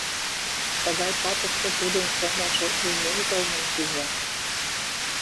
Тыгай татыште тудын сомылжо умен толмым шиже.